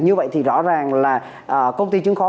như vậy thì rõ ràng là công ty chứng khoán